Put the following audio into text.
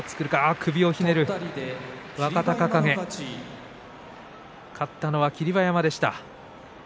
首をひねっている若隆景勝ったのは霧馬山でした。